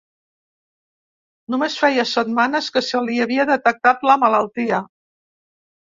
Només feia setmanes que se li havia detectat la malaltia.